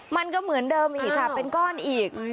มันก็เหมือนเดิมอีกค่ะเป็นก้อนอีก